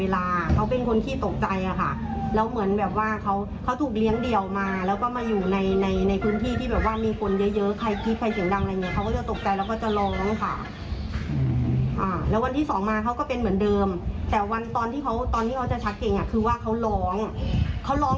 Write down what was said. แล้ววันที่๒มาเขาก็เป็นเหมือนเดิมแต่วันที่เขาจะชักเก่งคือว่าเขาร้อง